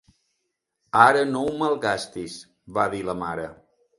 "Ara no ho malgastis", va dir la mare.